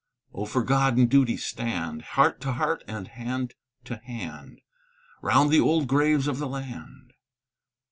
Oh, for God and duty stand, Heart to heart and hand to hand, Round the old graves of the land.